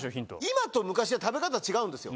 今と昔は食べ方違うんですよ